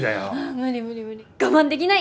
無理無理無理我慢できない。